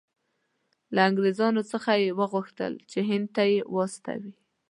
له انګریزانو څخه یې وغوښتل چې هند ته یې واستوي.